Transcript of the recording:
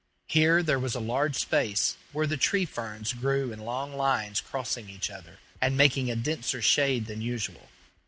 Here there was a large space, where the tree ferns grew in long lines crossing each other, and making a denser shade than usual.